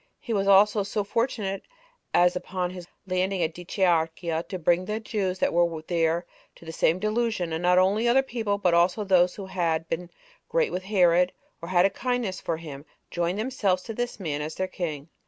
He was also so fortunate, as, upon his landing at Dicearchia, to bring the Jews that were there into the same delusion; and not only other people, but also all those that had been great with Herod, or had a kindness for him, joined themselves to this man as to their king.